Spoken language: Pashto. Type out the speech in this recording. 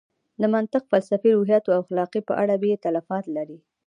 د منطق، فلسفې، روحیاتو او اخلاقو په اړه یې تالیفات لري.